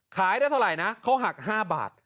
ขายได้เท่าไหร่นะเขาหัก๕บาท